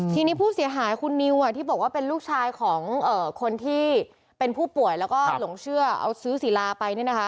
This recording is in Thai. ทีนี้ผู้เสียหายคุณนิวที่บอกว่าเป็นลูกชายของคนที่เป็นผู้ป่วยแล้วก็หลงเชื่อเอาซื้อศิลาไปเนี่ยนะคะ